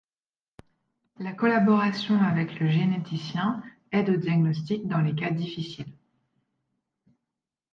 La collaboration avec le généticien aide au diagnostic dans les cas difficiles.